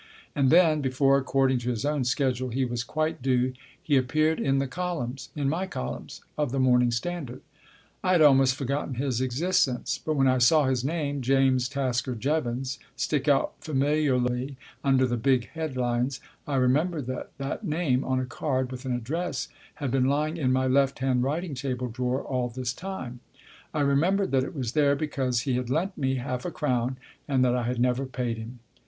And then, before (according to his own schedule) he was quite due, he appeared in the columns (in my columns) of the Morning Standard. I had almost for gotten his existence ; but when I saw his name, James Tasker Jevons, stick out familiarly under the big head lines, I remembered that that name, on a card with an address, had been lying in my left hand writing table drawer all this time ; I remembered that it was there because he had lent me half a crown, and that I had never paid him.